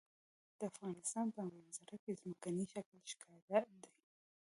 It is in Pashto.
د افغانستان په منظره کې ځمکنی شکل ښکاره دی.